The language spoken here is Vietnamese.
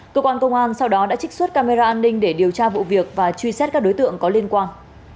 cơ quan công an sau đó đã trích xuất camera an ninh để điều tra vụ việc và truy xét các đối tượng có liên quan